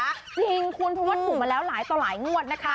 จริงคุณเพราะว่าถูกมาแล้วหลายต่อหลายงวดนะคะ